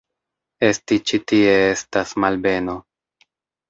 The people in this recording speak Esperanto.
Esti ĉi tie estas malbeno.